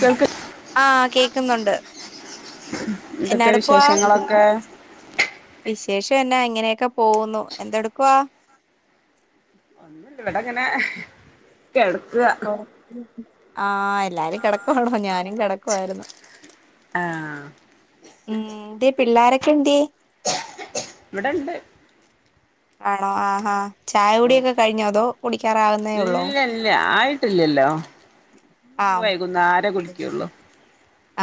കേൾക്ക്‌ ആഹ് കേക്കുന്നുണ്ട്, എന്നാ എന്തൊക്കെ എടുക്കുവാ വിശേഷങ്ങളൊക്കെ വിശേഷം എന്നാ ഇങ്ങനെയൊക്കെ പോവുന്നു, എന്തെടുക്കുവാ ഒന്നൂല്യ. വടങ്ങനെ കെടക്കുവ ആഹ് എല്ലാരും കെടക്കുവാണോ ഞാനും കെടക്കുവായിരുന്നു ആഹ് ഉം എന്തേ പിള്ളാരൊക്കെ എന്തേ ഇവിടെണ്ട് ആണോ ആഹ് ഹാ ചായ കുടിയൊക്കെ കഴിഞ്ഞോ അതോ കുടിക്കാറാവുന്നേ ഉള്ളോ ഇല്ല ഇല്ല ആയിട്ടില്യല്ലോ, ആഹ് വൈകുന്നാരെ കുടിക്ക്യൊള്ളു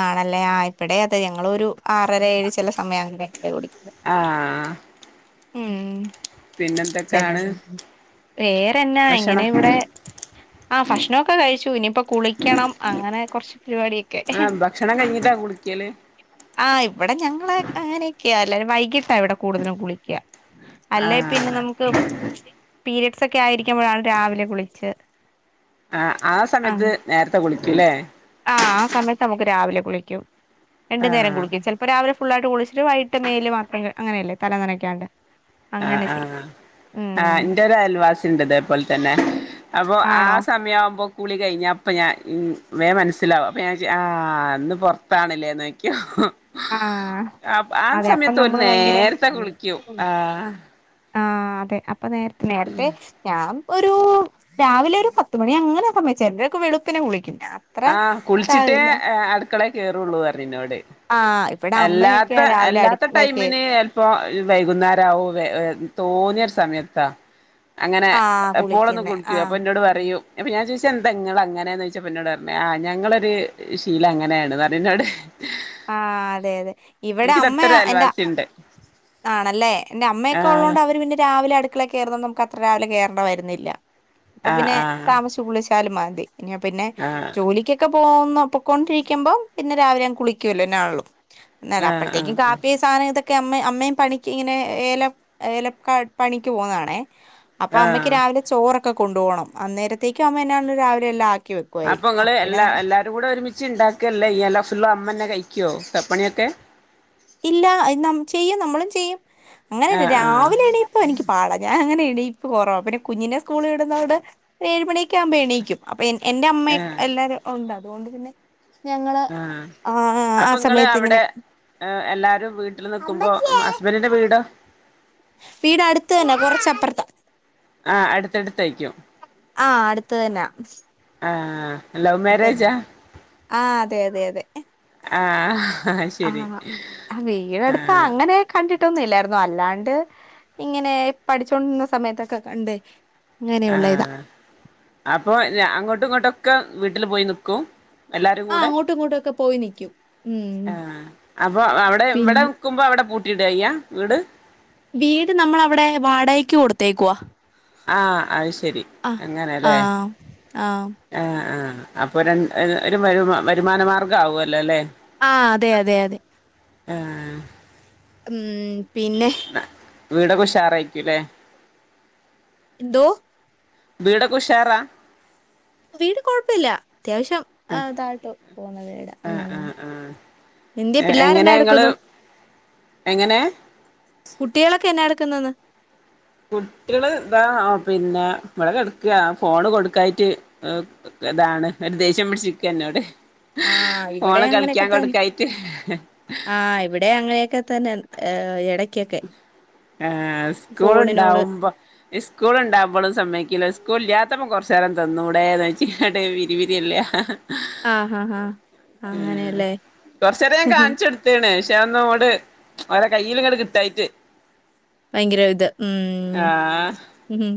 ആണല്ലേ ആഹ് ഇപ്പടെ അതെ ഞങ്ങളൊരു ആറര ഏഴ് ചെല സമയ അങ്ങനെയൊക്കയ കുടിക്കുന്നത് ആഹ് ഉം ചെല പിന്നെന്തൊക്കെയാണ് സ്ഥൽത്ത് വേറെന്നാ ഇങ്ങനെ ഭക്ഷണം ഇവിടെ ആഹ് ഭക്ഷണൊക്കെ കഴിച്ചു. ഇനിയിപ്പ കുളിക്കണം അങ്ങനെ കൊറച്ച് പരിപാടിയൊക് ആഹ് ഭക്ഷണം കഴിഞ്ഞിട്ടാ കുളിക്ക്യല് ആഹ് ഇവിടെ ഞങ്ങള് അങ്ങനെയൊക്കെയാ എല്ലരും വൈകിട്ടാ ഇവിടെ കൂടുതലും കുളിക്ക്യാ അല്ലേ പിന്നെ ആഹ് നമുക്ക് പീരീഡ്സൊക്കെ ആയിരിക്കുമ്പഴാണ് രാവിലെ കുളിച്ച് ആഹ്, ആഹ് സമയത്ത് നേര്ത്തെ കുളിക്യു ല്ലേ ആഹ്, ആഹ് സമയത്തമുക്ക് രാവിലെ കുളിക്കും, രണ്ടു നേരം ആഹ് കുളിക്കും ചെല പ്പൊ രാവിലെ ഫുള്ളായിട്ട് കുളിച്ചിട്ട് വൈകിട്ട് മേല് മാത്രം ക അങ്ങനെയല്ലേ തലനനക്കാണ്ട് ആഹ് ആഹ് ആഹ് ഇന്റൊരയൽവാസിണ്ട് ഇതേപോൽതന്നെ അപ്പൊ ആ ആണോ സമയാവുമ്പോ കുളി കഴിഞ്ഞാ അപ്പം ഞാൻ ഉം വേം മൻസ്സിലാവും, അപ്പം ഞാൻ ചോയിക്യും ആഹ് ഇന്ന് പൊർത്താണ്ലേന്നോയ്ക്ക്യും ആഹ് ആഹ് -ആഹ് അതെ അപ്പൊ സമയത്ത് ഓര് നമ്മള് ഭയങ്കര നേര്ത്തെ കുളിക്ക്യും ആഹ് ആഹ് അതെ അപ്പ നേര്തെ നേരത്തെ ഞാൻ ഒരു രാവിലെ ഒരു പത്തുമണി അങ്ങനെ സമയ ച്ചെലരൊക്കെ വെളുപ്പിനെ കുളിക്കും, ഞാൻ ആഹ്, കുളിച്ചിട്ടേ ഇതാവില്ല ഏഹ് അടുക്കളേ കേറുള്ളൂർഞ്ഞ് ന്നോട് ആഹ് ഇവിടെ അല്ലാത്ത അമ്മയൊക്കെയാ രാവിലെ അല്ലാത്ത അടുക്കളേ കേ ടൈമിന് ഇപ്പൊ വൈകുന്നേരാവും വേ വേ തോന്ന്യൊര് സമയത്താ അങ്ങനെ ആഹ് എപ്പോളൊന്നും കുളിക്കുന്നെ കുളിക്കൂല. ആഹ് അപ്പ ഇന്നോട് പറയും, അപ്പ ഞാൻ ചോയിച്ച് എന്താ ഇങ്ങള് അങ്ങനെ ന്ന് ചോയ്ച്ചപ്പ ഇന്നോടർ ആഹ് ഞങ്ങളൊരു ശീലം അങ്ങനേണ്ന്നർഞ് ന്നോട് ആഹ് അതെയതെ തൊട്ടൊരു ഇവടമ്മയൊ എന്റ അയൽവാസിണ്ട് ആണല്ലോ, എന്റെ അമ്മയൊക്കെ ആഹ് ഉള്ളോണ്ട് അവര് പിന്നെ രാവിലെ അട് ക്കളെ കേറുന്ന നമുക്കത്ര രാവിലെ കേറണ്ടവര്ന്നില്ല, അപ്പൊ ആഹ് പിന്നെ ആഹ് താമസിച്ച് കുളിച്ചാലും മതി പിന്നെ പിന്നെ ആഹ് ജോലിക്കൊക്കെ പോക്ന്ന പൊക്കോണ്ടിരിക്കുമ്പം പിന്നെ രാവിലെയങ്ങ് കുളിക്കുവല്ലോ എന്നാആണേലും എന്നല്ല, ആഹ് അപ്പഴത്തേക്കും ആഹ് കാപ്പിയ സാന ഇതൊക്കെ അമ്മ അ മ്മേം പണിക്ക് ഇങ്ങനെ എ ഏലം ഏലക്കാ എട് പണിക്ക് പോന്നതാണേ അപ്പ അമ്മക്ക് ആഹ് രാവിലെ ചോറൊക്കെ കൊണ്ട്പോണം. അന്നേരത്തേക്കും അമ്മ എന്നാണേലും രാവിലെയെല്ലാം ആക്കിവെക്കും. അപ്പം ഇങ്ങള് എല്ലാ എല്ലാരുംകൂടെ ഒരുമിച്ച്ണ്ടാക്ക അല്ല യ്യാ, എല്ലാ ഫുള്ള് അമ്മന്നെ കഴിക്കുവോ, പെ പണിയൊക്കെ ഇല്ലാ നം ചെയ്യും നമ്മളും ചെയ്യും. അങ്ങനെ ആഹ് ആഹ് രാവിലെണീ പ്പ് എനിക്ക് പാടാ, ഞാ അങ്ങനെ എണീപ്പ് കൊറവാ, പിന്നെ കുഞ്ഞിനെ സ്കുളിവിട്ന്നകൊണ്ട് ഏഴ്മണിക്കെയാവുമ്പോ എണീക്കും. അപ്പ എന്റെ അമ്മയൊക്കെ ആഹ് എല്ലാരും ഒണ്ട് അതുകൊണ്ട് പിന്നെ ഞങ്ങള് ആഹ് ആഹ് ആ സമയത്ത് ഇങ്ങനെ ഇഹ്, എല്ലാരും വീട്ടില് നിക്കുമ്പോ അമ്മച്ചിയേ. ഹസ്ബന്റ്ന്റെ വീടോ വീടട്ത്തന്നെ കൊറച്ചപ്പർത്താ ആഹ് അട്ത്തട്ത്തയ്ക്ക്യും. ആഹ് അട്ത്ത് തന്നാ. ആഹ് ലൗ മാരേജാ? ആഹ് അതെ അതെ അതെ. ആഹ് ശരി ആഹ് ആഹ് വീടടുത്താ അങ്ങനെ കണ്ടിട്ടൊന്നും ഇല്ലായ്രുന്നു. അല്ലാണ്ട് ഇങ്ങനെ പഠിച്ചോണ്ടിര്ന്ന സമയത്തൊക്കെ കണ്ട് അങ്ങനെയുള്ളയിതാ. അപ്പ അങ്ങോട്ടും ഇങ്ങോട്ടും ഒക്കെ വീട്ടില് പോയി നിക്കും? എല്ലാരും ആഹ് കൂടെ അങ്ങോട്ടും ഇങ്ങോട്ടും ഒക്കെ പോയി നി ആഹ്. അപ്പൊ അവ്ടെ ഇവടെ പിന്നെ നിക്കുമ്പ അവടെ പൂട്ടിയിടാ ചെയ്യാ വീട്? വീട് നമ്മളവിടെ വാടകക്ക് കൊട്ത്തേക്കുവാ. ആഹ് അത് ശെരി. അങ്ങനെലേ. ആഹ് ആഹ് ആഹ് ആഹ്. അപ്പൊ രണ് ഒരു ഒരു വരു വരുമാന മാർഗ്ഗാവൊല്ലോ ലേ? ആഹ് അതെ അതെ അതെ. ആഹ്. ഉം പിന്നെ. ന്ന വീടൊക്കെ ഉഷാറേയിക്കുലേ? എന്തോ? വീടൊക്കെ ഉഷാറാ? വീട് കൊഴപ്പ ഇല്ല അത്യാവശം. ആഹ് ഇതായ്ട്ട് പോവുന്ന വീടാ ആഹ് ഉം. ആഹ് ആഹ് എന്ത്യേ പിള്ളാര് എങ്ങനെ എന്നാ ഇങ്ങള് എട്ക്കുന്നു? എങ്ങനെ? കുട്ടിയേളൊക്കെ എന്നാ എട്ക്ക്ന്നെന്ന്. കുട്ട്യെള് ഇതാ പിന്നെ ഇബടെ കെടക്കാ. ഫോണ് കൊടുക്കായിറ്റ് ഇതാണ് ഒര് ദേഷ്യം പിടിച്ച് നിക്കാ ഇന്നോട്. ആഹ് ഇവിടെ ഫോണ് അങ്ങനെയൊക്കെ കളിക്ക്യാൻ തന്നെ കൊടുക്കായിറ്റ് ആഹ് ഇവടെ അങ്ങനെക്കെ തന്നെ എടക്കൊക്കെ. ആഹ് സ്കൂള് ഫോണിനോട് ഇണ്ടാവുമ്പം ഇസ്കൂള്ണ്ടാവുമ്പളും സമയ്ക്കില്ല സ്കൂളില്ലാത്തപ്പം കൊറച്ചേരം തന്നൂടേന്ന് ചോയ്ക്ക്യാ ഇന്നട്ട് വിരി വിരിയെല്ലാ. ആഹ്ഹഹാ. ഉ ഉം കൊറച്ചേരം ഞാൻ കാണിച്ചൊടു ത്ത്ണ്. പക്ഷേ അതൊന്നും അങ്ങോട് ഓരെ കയ്യില് ഇങ്ങട് കിട്ടായിറ്റ്. ഭയങ്കര ഇത് ആഹ് ഉം.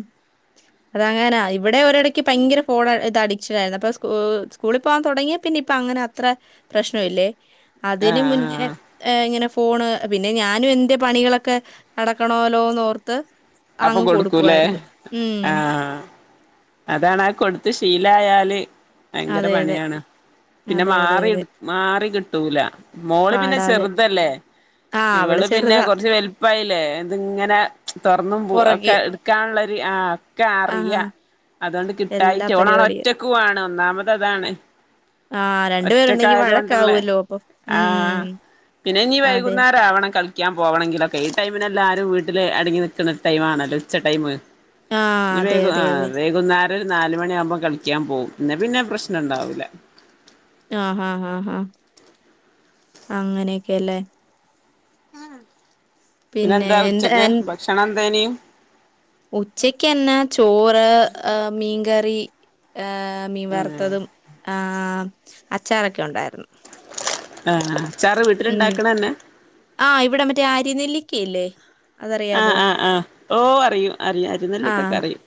അതങ്ങനാ. ഇവിടെ ഒരിടയ്ക്ക് ഭയങ്കര ഫോൺ ഇത് അഡിക്ഷനായിരുന്നു അപ്പൊ സ്കൂ സ്കൂളി പോവാൻ തൊടങ്ങിയേ പിന്നെ ഇപ്പം അങ്ങനെ അത്ര പ്രശ്നവില്ലേ. അതിന് ആഹ് മുന്നേ ആഹ് ഏഹ് ഇങ്ങനെ ഫോണ് പിന്നെ ഞാനും എന്റെ പണികളൊക്കെ നടക്കണോല്ലോന്ന് ഓർത്ത് അപ്പം കൊടുക്കുലേ ആഹ്. അതാണാ കൊടുത്ത് ശീലായാല് ഭയങ്കര അതെ അതെ. പണിയാണ്. പിന്നെ അതെ അതെ മാറി അതെ. ഇട് മാറി കിട്ടൂല മോള് പിന്നെ പാടാതെ. ചെറുതല്ലേ. ആ അവള് ഇവള് പിന്നെ ചെറുതാ. കൊറച്ച് വൽപ്പായില്ലേ. ഇതിങ്ങനെ തൊറന്നും പു ഒക്കെ പുറകെ. ഇടുക്കാനുള്ളൊരു ആഹ് ഒക്കെ ആ അറിയ. അതോണ്ട് എല്ലാ കിട്ടായിറ്റ് ഓളാണ് പരിപാടിയും. ഒറ്റക്കു ആണ് ഒന്നാമത് അതാണ്. ആ പേരുണ്ടെങ്കി ഒറ്റക്കായത് കൊണ്ടുള്ളെ വഴക്കാവുമല്ലോ അപ്പം. ആഹ്. ഉം. പിന്നെ ഇഞ്ഞ് അതെ. വൈകുന്നേരാവണം കളി ക്യാ പോവണങ്കിലൊക്കെ ഈ ടൈമിനെല്ലാരും വീട്ടില് അടങ്ങിനിക്കണ ടൈമാണല്ലോ ഉച്ച ടൈം. ആ ഈ അതെ വേകു അതെ ആഹ് അതെ. വൈകുന്നേര ത്ത് നാല് മണിയാകുമ്പോ കളിക്കാൻ പോകും ന്നെ പിന്നെ പ്രശ്നം ഇണ്ടാവൂല. ആഹ് ഹാ ആഹ് ഹാ. അങ്ങനെക്കെല്ലേ പിന്നെ എന്താ, എ ക്ഷണന്തേനിം. ഉച്ചക്ക് എന്നാ ചോറ് ആ മീൻ കറി. ഏ മീൻ ആഹ് വറുത്തതും ആ അച്ചാറൊക്കെ ഒണ്ടായിരുന്നു. ആഹ അച്ചാറ് വീട്ടിലുണ്ടാക്കണന്നെ. ആഹ് ഇവിടെ മറ്റേ ആരിനെല്ലിക്കയില്ലേ. ആഹ്, ആഹ്, ആഹ് ഓ അറിയും അറിയാം അരുന്നല്ലേക്കൊക്കെ അറിയും.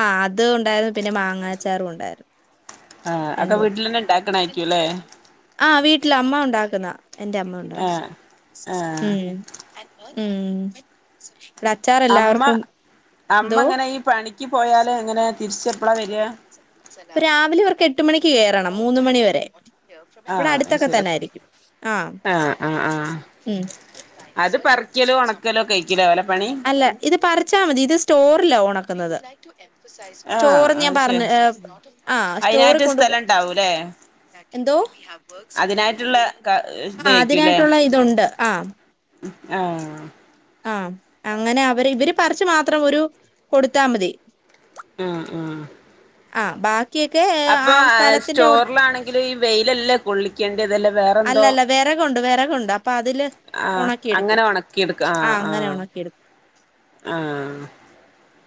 ആ അത് ഒണ്ടായിരുന്നു പിന്നെ മാങ്ങാച്ചാറും ഉണ്ടായിരുന്നു. ആഹ് അതൊക്കെ രണ്ടും വീട്ടിലന്നെ ഇണ്ടാക്കണ ആരിക്കോല്ലേ. ആഹ് വീട്ടിലമ്മ ഉണ്ടാക്കുന്ന എന്റെ അമ്മ ഉണ്ടാക്കുന്ന ആഹ് ആഹ് ഉം. ഉം ഇവിടെ അച്ചാർ അമ്മ എല്ലാവർക്കും അമ്മ എന്തോ? എങ്ങനെ ഈ പണിക്ക് പോയാല് എങ്ങനെ തിരിച്ച എപ്പളാ വരിയ? രാവിലെ അവർക്ക് എട്ട് മണിക്ക് കേറണം മൂന്ന് മണി വരെ ഇവിടെ ആഹ് അത് അടുത്തൊക്കെ ശരി തന്നെ ആയിരിക്കും. ആഹ് ആഹ് ആഹ് ഉം അത് പറിക്കലും ഉണക്കലും ഒക്കെ ആയിരിക്കുല്ലേ ഓലെ പണി അല്ല. ഇത് പറിച്ചാ മതി ഇത് സ്റ്റോറില ഒണക്കുന്നത് ആഹ് സ്റ്റോർ ഞാൻ അത് പറഞ്ഞ, ശരി എ ആ സ്റ്റോറി അതിനായിട്ട് കൊണ്ട് സ്ഥലം ഉണ്ടാവൂല്ലേ എന്തോ അതിനായിട്ടുള്ള ക ആ ഇതായിരിക്കുംല്ലേ അതിനായിട്ടുള്ള ഇതുണ്ട് ആ. ആഹ്. ആഹ് അങ്ങനെ അവര് ഇവര് പറച്ച് മാത്രം ഒരു കൊടുത്താ മതി. ആഹ്, ആഹ് ആ ബാ ബാക്കിയൊക്കെ അപ്പൊ ആ സ്റ്റോറിലാണെങ്കിലും ഈ വെയിലെല്ലാം. പൊള്ളിക്കേണ്ട വെല വേറെന്തോ. അല്ലല്ല വിറകുണ്ട് വിറകുണ്ട് അപ്പൊ അതില് ആഹ് ഉണക്കിയെടുക്കും അങ്ങനെ ഒണക്കി എടുക്ക ആ ആഹ്, അങ്ങനെ ആഹ്, ഉണക്കിയെടുക്കും ആഹ്.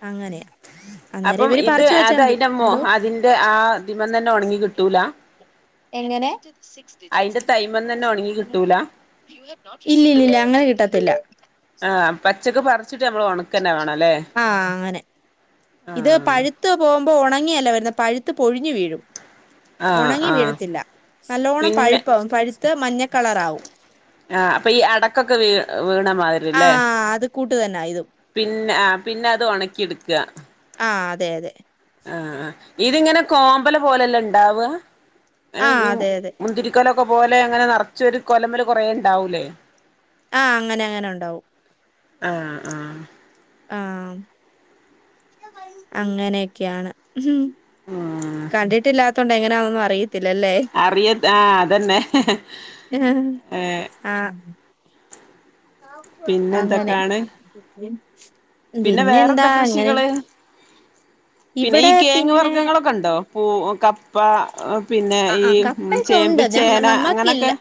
അങ്ങനെ. അപ്പം ഇത് അത് അയിന്റെ മോഹ എന്തോ അതിന്റെ ആ അതിമന്നെ ഒണങ്ങി കിട്ടൂല. എങ്ങനെ? [unintelligible] അതിന്റെ തൈമന്ന് തന്നെ ഉണങ്ങി കിട്ടൂല ഇല്ലില്ലില്ല അങ്ങനെ കിട്ടത്തില്ല. ആഹ് പച്ചക്ക് പറിച്ചിട്ട് ഞമ്മള് ഒണ ആഹ് അങ്ങനെ. ആ ഇത് പഴുത്ത് പോകുമ്പോ ഒണങ്ങിയല്ല വരുന്നെ പഴുത്ത് പൊഴിഞ്ഞു വീഴും. ആ ഒണങ്ങി ആ വീഴത്തില്ല നല്ലോണം പിന്നെ പഴുപ്പാവും പഴുത്ത് മഞ്ഞ കളറാവും. ആ അപ്പൊ ഈ അടക്കൊക്കെ വീ, വീണ ആ മാതിരില്ലേ. അത് കൂട്ട് തന്നാ ഇതും പിന്നെ ആ പിന്നെത് ഒണക്കിടുക്ക. ആ അതെ, അതെ. ആ, ആഹ് ഇതിങ്ങനെ കോമ്പല് പോലെല്ല ഇണ്ടാവ? അനെ ആ ഇ അതെ അതെ മുന്തിരി. ക്കൊലൊക്കെ പോലെ അങ്ങനെ നെറച്ചൊരു കൊലമ്മല് കുറേണ്ടാവൂലേ? ആഹ് അങ്ങനെങ്ങനെ ഉണ്ടാവും. ആഹ്, ആഹ്. ആഹ് അങ്ങനെയൊക്കെയാണ്. ഉം കണ്ടിട്ടില്ലാത്തോണ്ട് എങ്ങനെയാന്നൊന്നും അറിയത്തില്ലല്ലേ. അറിയ ആഹ് അതന്നെ ഏഹ് ആഹ് പിന്നെ അങ്ങനെ എന്തൊക്കെയാണ് [unintelligible] പിന്നെ പിന്നെന്താ വേറെന്താ അങ്ങനെ കൃഷികള് പിന്നെ ഈ ഇവിടെ കെഴങ്ങ് പിന്നെ വർഗ്ഗങ്ങള് ഒക്കെണ്ടോ പൂ കപ്പ പിന്നെ ആഹ് ഈ ആഹ് കപ്പയൊക്കെ ചേമ്പ് ഉണ്ട് ഞങ്ങ ചേന അങ്ങനെയൊക്കെ നമ്മക്കില്ല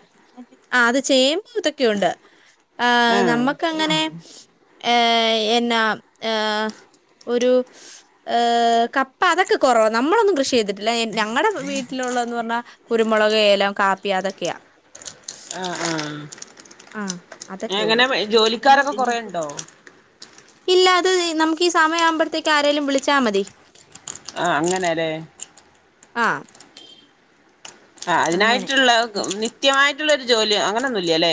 ആഹ് അത് ചേമ്പ് ഇതൊക്കെയുണ്ട് ആഹ് നമ്മക്കങ്ങനെ ഏഹ് എന്നാ ഏഹ് ഒരു ഏഹ് കപ്പ അതൊക്കെ കുറവ നമ്മളൊന്നും കൃഷി ചെയ്തി- ട്ടില്ല ഞങ്ങടെ വീട്ടിലുള്ളതെന്ന് പറഞ്ഞാ കുരുമുളക് ഏലം കാപ്പി അതൊക്കെയാ ആഹ് ആഹ് ആഹ് അതൊക്കെ എങ്ങനെ ഉള്ളൂ ജോലിക്കാരൊക്കെ കൊറെയുണ്ടോ? ഇല്ല അത് നമുക്ക് ഈ സമയം ആവുമ്പഴത്തേക്ക് ആരേലും വിളിച്ചാൽ മതി ആഹ് അങ്ങനെല്ലേ ആഹ് ആഹ് അങ്ങനെ അതിനായിട്ടുള്ള നിത്യമായിട്ടുള്ളൊരു ജോലി അങ്ങനെന്നുംല്ലല്ലേ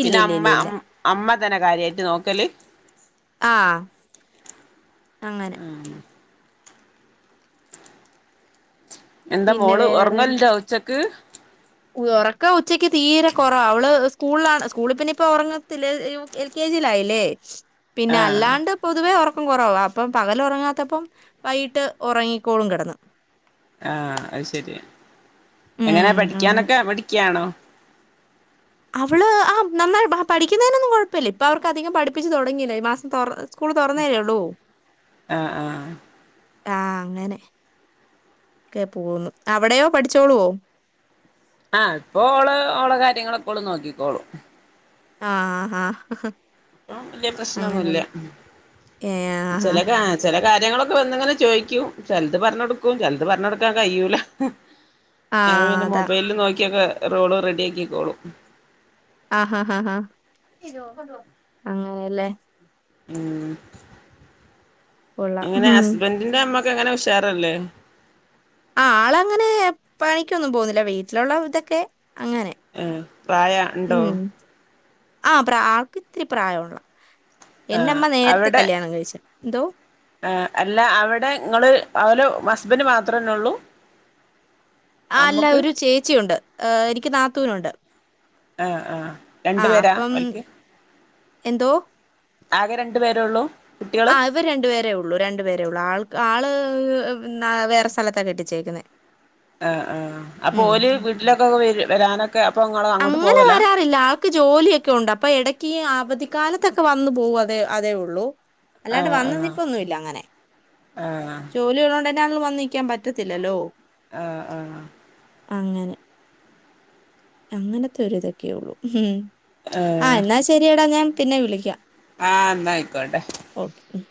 ഇല്ല പിന്നെ ഇല്ല അമ്മ ഇല്ല ഇല്ല അ അമ്മ തന്നെ കാര്യായിട്ട് നോക്കല് ആഹ് അങ്ങനെ ആഹ് എന്താ പിന്നെ മോള് വേറെ ഒറങ്ങല്ണ്ടോ ഉച്ചക്ക് ഉറക്കം ഉച്ചക്ക് തീരെ കൊറവ അവള് സ്കൂളിലാണ് സ്കൂളിൽ പിന്നെ ഇപ്പ ഒറങ്ങത്തില്ല എൽ കെ ജിയിലായില്ലേ പിന്നെ ആഹ് അല്ലാണ്ട് പൊതുവേ ഉറക്കം കുറവ അപ്പം പകല് ഉറങ്ങാത്തപ്പം വൈകിട്ട് ഉറങ്ങിക്കോളും കിടന്ന് ആഹ് അത് ശരി എങ്ങനെ ഉം അങ്ങനെ പഠിക്കാനൊക്കെ മിടുക്കിയാണോ? അവള് ആഹ് നന്നായി പഠിക്കുന്നതിനൊന്നും കുഴപ്പല്ല ഇപ്പ അവർക്ക് അധികം പഠിപ്പിച്ച് തുടങ്ങിയില്ല ഈ മാസം തൊറ സ്കൂള് തുറന്നല്ലേള്ളൂ ആഹ് ആഹ് ആഹ് അങ്ങനെ ഒക്കെ പോവുന്നു അവിടെയോ പഠിച്ചോളുവോ ആഹ് ഇപ്പ ഓള് ഓളെ കാര്യങ്ങളൊക്കെ ഓള് നോക്കിക്കോളും ആഹ് ആഹ് ആഹ് വലിയ പ്രശ്നൊന്നുല്ല അങ്ങനെയല്ലേ ഉം ഏഹ് ആഹ് ചെല കാ ചില കാര്യങ്ങളൊക്കെ വന്നിങ്ങനെ ചോയ്ക്കും ചിലത് പറഞ്ഞൊടുക്കും ചിലത് പറഞ്ഞൊടുക്കാൻ കഴിയൂല ഞാൻ ആഹ് പിന്നെ അതാ മൊബൈല് നോക്കിയൊക്കെ റോള് റെഡി ആക്കിക്കോളും ആഹ് ഹാ ഹാ അങ്ങനെയല്ലേ ഉം കൊള്ളാം ഇങ്ങനെ ഉം ഹസ്ബന്റിന്റെ അമ്മക്കെ എങ്ങനെ ഉഷാറല്ലേ ആഹ് ആളങ്ങനെ പണിക്കൊന്നും പോവുന്നില്ല വീട്ടിലുള്ള ഇതൊക്കെ അങ്ങനെ ഏഹ് പ്രായ ഉണ്ടോ ആഹ് പ്ര ആൾക്ക് ഇത്തിരി പ്രായള്ള ആഹ് എന്റെമ്മ നേരത്തെ അവിടെ കല്യാണം കഴിച്ച് എന്തോ ആഹ് അല്ല അവിടെ ഇങ്ങള് ഓല് ഹസ്ബന്റ് മാത്രന്നെ ഉള്ളൂ ആഹ് അല്ല ഒരു ചേച്ചി ഉണ്ട് എനിക്ക് നാത്തൂനുണ്ട് ആഹ് ആഹ് ആ രണ്ടു പേരാ അപ്പം ഓൽക്ക് എന്തോ ആകെ രണ്ടു പേരേ ഉള്ളൂ ആഹ് അവര് രണ്ടു പേരേ ഉള്ളൂ രണ്ടു പേരേ ഉള്ളു ആൾക്ക് ആള് വേറെ സ്ഥലത്താ കെട്ടിച്ചേക്കുന്നെ ആഹ് ആഹ് അപ്പൊ ഓല് വീട്ടിലൊകൊക്കെ വരാനൊക്കെ അപ്പൊ ഇങ്ങളോ അങ്ങനെ വരാറില്ലാ ജോലിയൊക്കെ ഉണ്ട് അപ്പൊ എടക്ക് അവധിക്കാലത്തൊക്കെ വന്നു പോവും അതെ അതേ ഉള്ളു അല്ലാണ്ട് ആഹ് വന്ന ആഹ് നിപ്പൊന്നുല്ല അങ്ങനെ ആഹ് ജോലി ഒള്ളോണ്ടന്നെ ഞങ്ങൾ വന്നിക്കാൻ പറ്റത്തില്ലല്ലോ ആഹ് ആഹ് അങ്ങനെ അങ്ങനത്തെ ഒരു ഇതൊക്ക്യെ ഉള്ളു ഉം ആഹ് എന്നാ ശരിയടാ ഞാൻ പിന്നെ വിളിക്ക ആഹ് ഇന്നയിക്കോട്ടെ ഓക്കെ ഉം